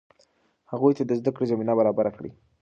هغوی ته د زده کړې زمینه برابره کړئ.